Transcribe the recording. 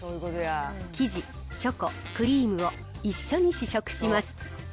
生地、チョコ、クリームを一緒に試食します。